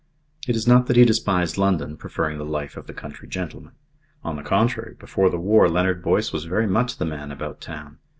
It is not that he despised London, preferring the life of the country gentleman. On the contrary, before the war Leonard Boyce was very much the man about town.